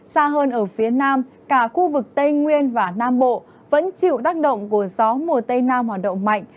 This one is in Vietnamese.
xa hơn ở phía nam cả khu vực tây nguyên và nam bộ vẫn chịu tác động của gió mùa tây nam hoạt động mạnh